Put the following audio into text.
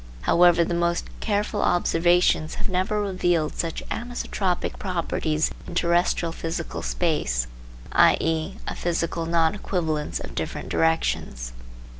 However, the most careful observations have never revealed such anisotropic properties in terrestrial physical space, i.e. a physical non equivalence of different directions.